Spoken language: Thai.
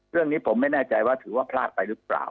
เรื่องนี้ผมไม่แน่ใจว่าถือว่าพลาดไปหรือเปล่า